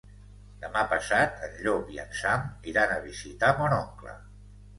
Demà passat en Llop i en Sam iran a visitar mon oncle.